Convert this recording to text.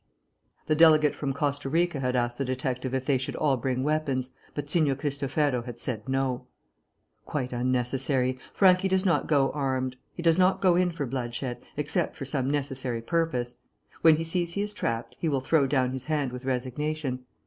The delegate from Costa Rica had asked the detective if they should all bring weapons, but Signor Cristofero had said no. "Quite unnecessary. Franchi does not go armed. He does not go in for bloodshed, except for some necessary purpose. When he sees he is trapped, he will throw down his hand with resignation.